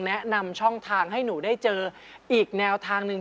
แนะนำช่องทางให้หนูได้เจออีกแนวทางหนึ่ง